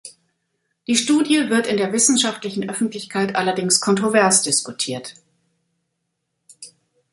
Die Studie wird in der wissenschaftlichen Öffentlichkeit allerdings kontrovers diskutiert.